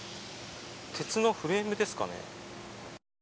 鉄のフレームですかね。